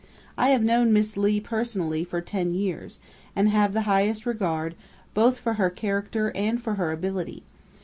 I have known Miss Leigh personally for ten years, and have the highest regard, both for her character and for her ability.